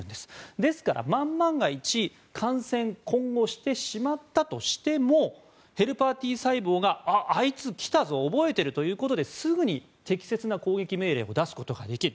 ですから、万万が一感染、今後してしまったとしてもヘルパーＴ細胞があいつ来たぞ覚えてるということですぐに適切な攻撃命令を出すことができる。